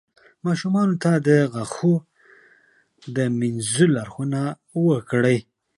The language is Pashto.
ماشومانو ته د غاښونو مینځلو لارښوونه وکړئ.